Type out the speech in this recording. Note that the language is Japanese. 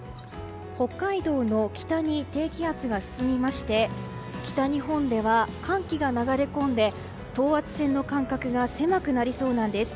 北海道の北に低気圧が進みまして北日本では寒気が流れ込んで等圧線の間隔が狭くなりそうなんです。